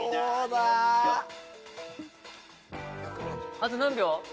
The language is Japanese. あと何秒？